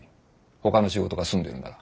ほかの仕事が済んでるなら。